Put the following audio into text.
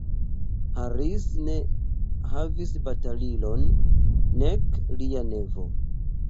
Harris ne havis batalilon, nek lia nevo.